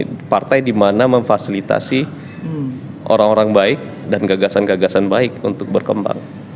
saya berada di partai dimana memfasilitasi orang orang baik dan gagasan gagasan baik untuk berkembang